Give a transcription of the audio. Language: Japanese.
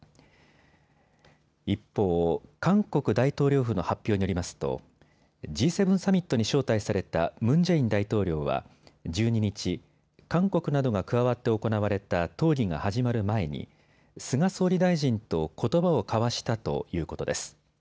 一方、韓国大統領府の発表によりますとＧ７サミットに招待されたムン・ジェイン大統領は１２日、韓国などが加わって行われた討議が始まる前に菅総理大臣とことばを交わしたということです。